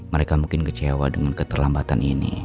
mereka mungkin kecewa dengan keterlambatan ini